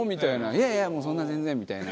「いやいやもうそんな全然」みたいな。